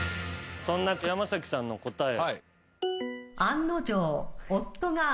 そんな山さんの答え。